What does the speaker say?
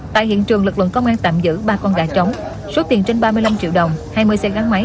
tại hiện trường lực lượng công an tạm giữ ba con gà trống số tiền trên ba mươi năm triệu đồng hai mươi xe gắn máy